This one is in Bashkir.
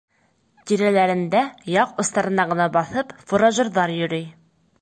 Тирәләрендә яҡ остарына ғына баҫып фуражерҙар йөрөй.